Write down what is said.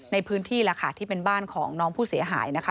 ในพื้นที่แหละค่ะที่เป็นบ้านของน้องผู้เสียหายนะคะ